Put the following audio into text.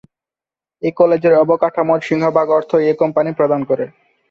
এ কলেজের অবকাঠামোর সিংহভাগ অর্থই এ কোম্পানি প্রদান করে।